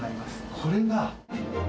これが。